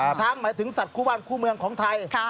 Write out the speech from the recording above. หมายถึงสัตว์คู่บ้านคู่เมืองของไทย